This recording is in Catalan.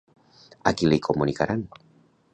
A qui li comunicaran?